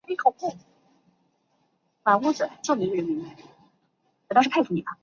该片以梦境式的叙述呈现。